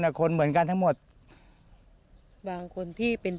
ไม่อยากให้มองแบบนั้นจบดราม่าสักทีได้ไหม